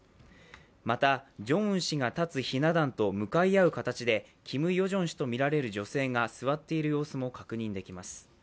また、ジョンウン氏が立つひな壇と向かい合う形でキム・ヨジョン氏とみられる女性が座っている様子も確認できます。